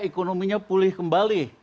ekonominya pulih kembali